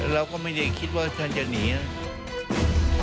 เราก็ไม่ได้คิดว่าท่านจะหนีนะ